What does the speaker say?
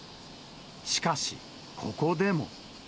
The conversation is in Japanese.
しかし、ここでも。